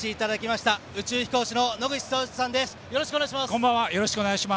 よろしくお願いします。